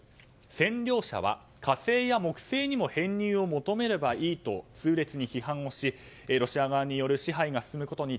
占領者は火星や木星にも編入を求めればいいと痛烈に批判しロシア側による支配が進むことに